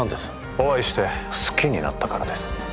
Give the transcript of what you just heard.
お会いして好きになったからです